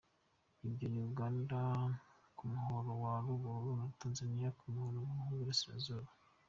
Ibyo ni Uganda ku muhoro wa ruguru na Tanzaniya ku muhoro w’Iburasirazuba.